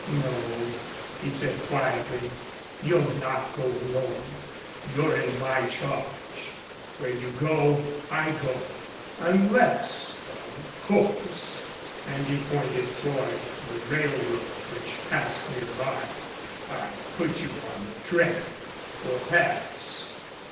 "No," he said quietly. "You'll not go alone. You're in my charge. Where you go, I go unless of course" and he pointed toward the railroad which passed nearby, "I put you on the train for Paris."